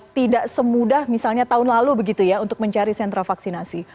tidak semudah misalnya tahun lalu begitu ya untuk mencari sentra vaksinasi